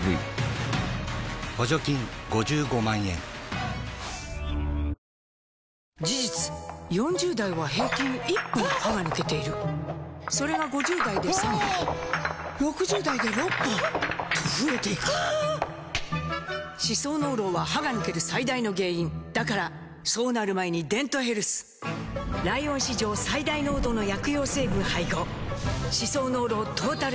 脂肪に選べる「コッコアポ」事実４０代は平均１本歯が抜けているそれが５０代で３本６０代で６本と増えていく歯槽膿漏は歯が抜ける最大の原因だからそうなる前に「デントヘルス」ライオン史上最大濃度の薬用成分配合歯槽膿漏トータルケア！